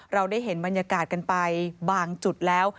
เราได้เห็นบรรยากาศกันไปบางจุดแล้ว